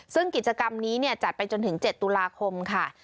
ซึ่งกิจกรรมนี้จัดไปจนถึง๗ตุลาคมค่ะ